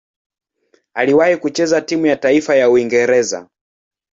Aliwahi kucheza timu ya taifa ya Uingereza.